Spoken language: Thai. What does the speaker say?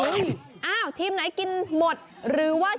มีหลากหลายการแข่งขันคุณผู้ชมอย่างที่บอกอันนี้ปาเป้าเห็นมั้ยก็ม